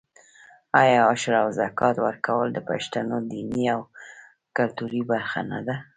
آیا عشر او زکات ورکول د پښتنو دیني او کلتوري برخه نه ده؟